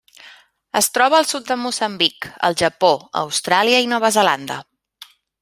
Es troba al sud de Moçambic, al Japó, Austràlia i Nova Zelanda.